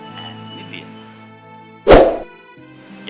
jangan bengkak bengkak lagi ya